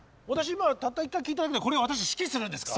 今たった一回聴いただけでこれを私指揮するんですか？